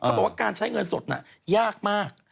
บอกว่าการใช้เงินสดน่ะยากมาก